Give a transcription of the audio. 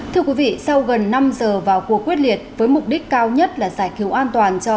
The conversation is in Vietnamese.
thưa quý vị sau gần năm giờ vào cuộc quyết liệt với mục đích cao nhất là giải cứu an toàn